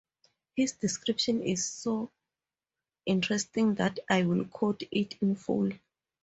His description is so interesting that I will quote it in full.